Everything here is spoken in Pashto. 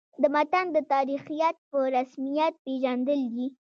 د متن د تاریخیت په رسمیت پېژندل دي.